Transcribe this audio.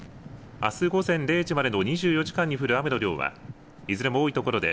あす午前０時までの２４時間に降る雨の量はいずれも多いところで